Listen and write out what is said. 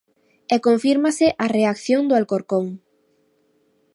E confírmase a reacción do Alcorcón.